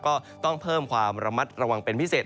ก็ต้องเพิ่มความระมัดระวังเป็นพิเศษ